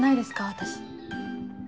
私。